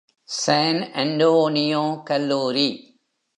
San Antonio கல்லூரி.